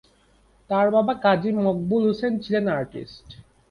তার বাবা কাজী মকবুল হোসেন ছিলেন আর্টিস্ট।